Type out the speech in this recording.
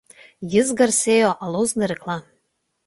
Jis garsėjo alaus darykla.